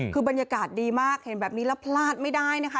คือบรรยากาศดีมากเห็นแบบนี้แล้วพลาดไม่ได้นะคะ